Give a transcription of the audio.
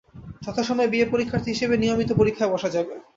যথাসময়ে বিএ পরীক্ষাথী হিসেবে নিয়মিত পরীক্ষায় বসা যাবে।